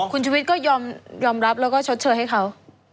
คุณชุวิตก็ยอมรับแล้วก็ชดเชยให้เขา